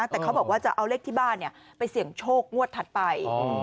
แต่เขาบอกว่าจะเอาเลขที่บ้านไปเสี่ยงโชคงวดถัดไป